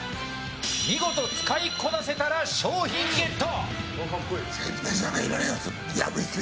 見事使いこなせたら商品ゲット。